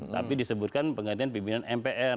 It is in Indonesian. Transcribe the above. tapi disebutkan penggantian pimpinan mpr